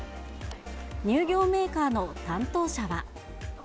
乳業メーカーの担当者は。